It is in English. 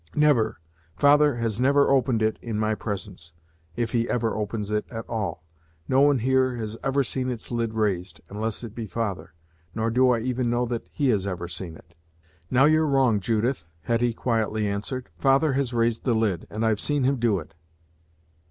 "Never. Father has never opened it in my presence, if he ever opens it at all. No one here has ever seen its lid raised, unless it be father; nor do I even know that he has ever seen it." "Now you're wrong, Judith," Hetty quietly answered. "Father has raised the lid, and I've seen him do it."